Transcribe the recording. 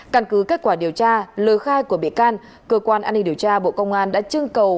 căn cứ kết quả điều tra lời khai của bị can cơ quan an ninh điều tra bộ công an đã trưng cầu